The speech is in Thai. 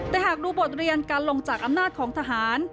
แต่หากดูบทเรียนการลงจากอำนาจของทหาร